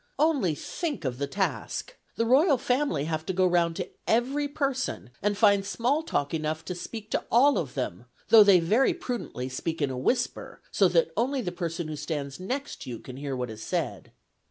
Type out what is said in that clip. Only think of the task! The royal family have to go round to every person, and find small talk enough to speak to all of them, though they very prudently speak in a whisper, so that only the person who stands next you can hear what is said.